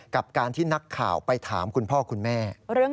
กับการที่นักข่าวไปถามคุณพ่อคุณแม่